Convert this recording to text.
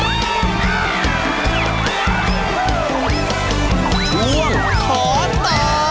ร่วงขอตอบ